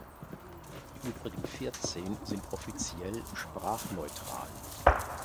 Die übrigen vierzehn sind offiziell sprachneutral.